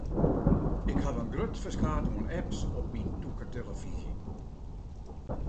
Ik haw in grut ferskaat oan apps op myn tûke telefyzje.